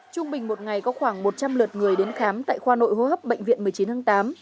trung bình một ngày có khoảng một trăm linh lượt người đến khám tại khoa nội hô hấp bệnh viện một mươi chín tháng tám